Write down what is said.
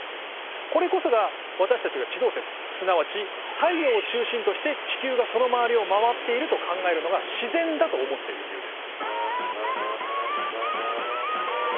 これこそが私たちが地動説すなわち太陽を中心として地球がその周りを回っていると考えるのが自然だと思ってる理由です。